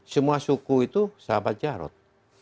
semua suku itu sahabat jarod